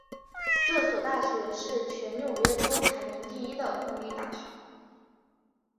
这所大学是全纽约州排名第一的公立大学。